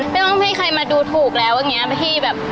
ไม่ต้องให้ใครมาดูถูกแล้วอย่างนี้พี่แบบ